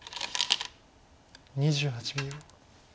２８秒。